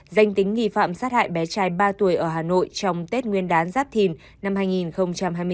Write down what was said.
danh tính nghi phạm sát hại bé trai ba tuổi ở hà nội trong tết nguyên đán giáp thìn năm hai nghìn hai mươi bốn